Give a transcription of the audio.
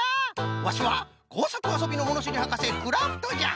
ワシはこうさくあそびのものしりはかせクラフトじゃ。